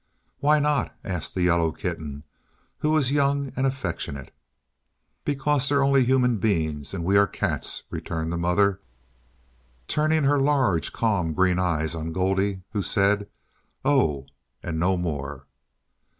"Why not?" asked the yellow kitten, who was young and affectionate. "Because they're only human beings, and we are Cats," returned the mother, turning her large, calm green eyes on Goldie, who said, "Oh!" and no more.